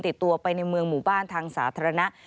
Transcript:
ติดตัวไปในเมืองหมู่บ้านทางสาธารณะ